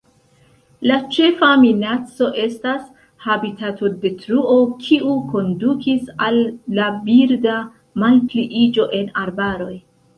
La ĉefa minaco estas habitatodetruo kiu kondukis al la birda malpliiĝo en arbaroj.